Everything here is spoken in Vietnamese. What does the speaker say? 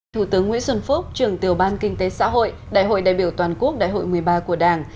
thủ tướng nguyễn xuân phúc trường tiểu ban kinh tế xã hội đại hội đại biểu toàn quốc đại hội một mươi ba của đảng